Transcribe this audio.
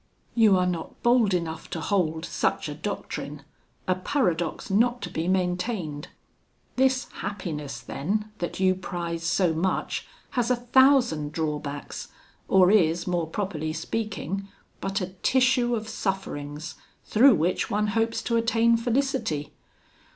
You are not bold enough to hold such a doctrine a paradox not to be maintained. This happiness, then, that you prize so much, has a thousand drawbacks, or is, more properly speaking, but a tissue of sufferings through which one hopes to attain felicity.